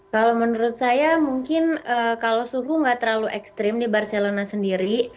kalau menurut saya mungkin kalau suhu nggak terlalu ekstrim di barcelona sendiri